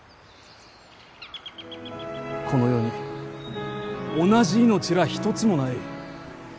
この世に同じ命らあ一つもない。